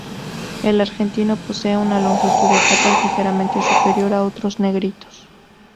El argentino posee una longitud de patas ligeramente superior a los otros negritos.